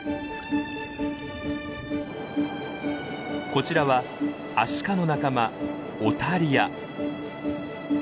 こちらはアシカの仲間オタリア。